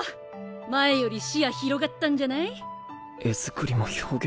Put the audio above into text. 前より視野広がったんじゃない？